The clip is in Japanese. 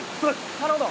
なるほど。